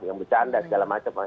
yang bercanda segala macam